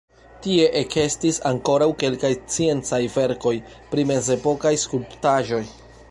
Tie ekestis ankoraŭ kelkaj sciencaj verkoj pri mezepokaj skulptaĵoj.